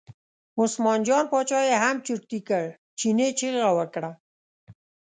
عثمان جان باچا یې هم چرتي کړ، چیني چغه وکړه.